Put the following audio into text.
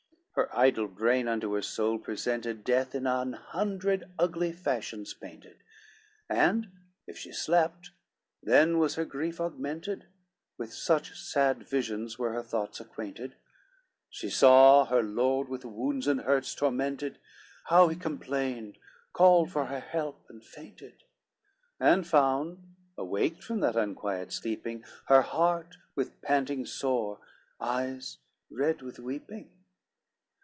LXV Her idle brain unto her soul presented Death in an hundred ugly fashions painted, And if she slept, then was her grief augmented, With such sad visions were her thoughts acquainted; She saw her lord with wounds and hurts tormented, How he complained, called for her help, and fainted, And found, awaked from that unquiet sleeping, Her heart with panting sore; eyes, red with weeping.